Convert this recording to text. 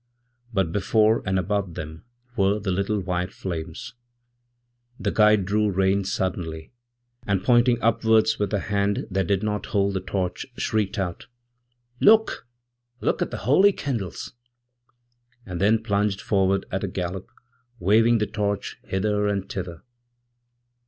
Butbefore and above them were the little white flames. The guide drewrein suddenly, and pointing upwards with the hand that did not holdthe torch, shrieked out, 'Look; look at the holy candles!' and thenplunged forward at a gallop, waving the torch hither and thither.